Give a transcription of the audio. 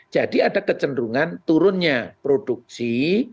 jadi ada kecenderungan turunnya produksi